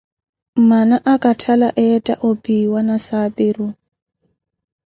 Mmana akatthala eetta opiwa nasaapiru.